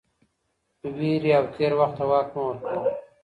وېرې او تېر وخت ته واک مه ورکوه